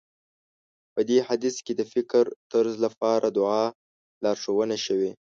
په دې حديث کې د فکرطرز لپاره دعا لارښوونه شوې.